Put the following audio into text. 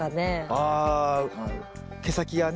あ毛先がね